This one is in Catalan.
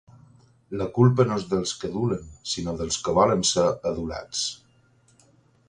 La culpa no es dels que adulen, sinó dels que volen ser adulats.